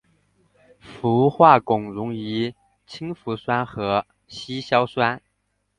氟化汞溶于氢氟酸和稀硝酸。